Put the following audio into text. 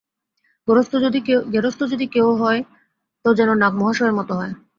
গেরস্ত যদি কেউ হয় তো যেন নাগ-মহাশয়ের মত হয়।